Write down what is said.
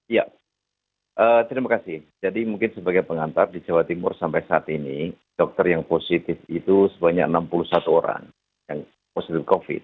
ya terima kasih jadi mungkin sebagai pengantar di jawa timur sampai saat ini dokter yang positif itu sebanyak enam puluh satu orang yang positif covid